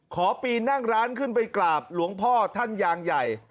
ปีนนั่งร้านขึ้นไปกราบหลวงพ่อท่านยางใหญ่